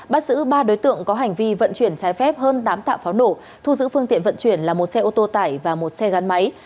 bắt giữ ba đối tượng có hành vi vận chuyển trái phép hơn tám tạ pháo nổ thu giữ phương tiện vận chuyển là một xe ô tô tải và một xe gắn máy